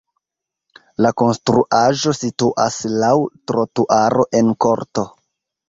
La konstruaĵo situas laŭ trotuaro en korto.